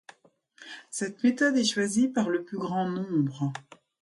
Cette méthode est choisie par le plus grand nombre.